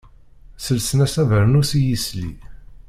Sselsen-as abernus i yisli.